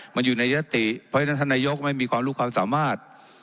มันอยู่ในยติเพราะฉะนั้นท่านนายกไม่มีความรู้ความสามารถ